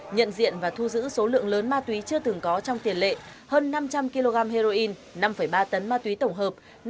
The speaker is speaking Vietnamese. nhận diện và thu giữ số lượng lớn ma túy chưa từng có trong tiền lệ hơn năm trăm linh kg heroin năm ba tấn ma túy tổng hợp